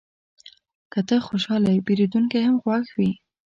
که ته خوشحاله یې، پیرودونکی هم خوښ وي.